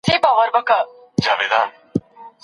يوازيتوب ريشا په ډک ښار کي يوازي کړمه